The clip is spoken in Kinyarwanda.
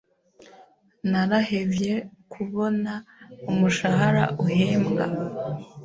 Narahevye kubona umushahara uhembwa.